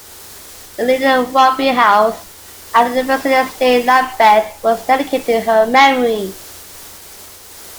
The "Lilian Rolfe House" at the Vincennes Estate, Lambeth was dedicated to her memory.